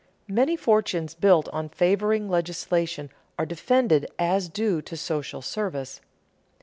_Many fortunes built on favoring legislation are defended as due to social service.